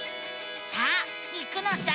さあ行くのさ！